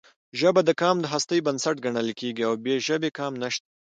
ژبه د قام د هستۍ بنسټ ګڼل کېږي او بې ژبې قام نشته.